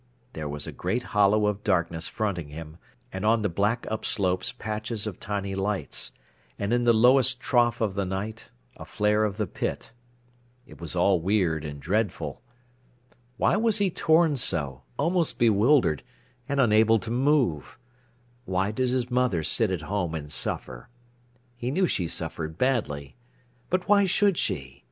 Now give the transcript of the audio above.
There was a great hollow of darkness fronting him, and on the black upslopes patches of tiny lights, and in the lowest trough of the night, a flare of the pit. It was all weird and dreadful. Why was he torn so, almost bewildered, and unable to move? Why did his mother sit at home and suffer? He knew she suffered badly. But why should she?